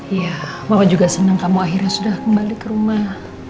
iya bapak juga senang kamu akhirnya sudah kembali ke rumah